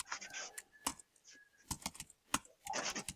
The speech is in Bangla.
অতঃপর দেওয়া-থোওয়া সম্বন্ধে তুমি যেমন বিবেচনা করিবে, তাহাই করিবে।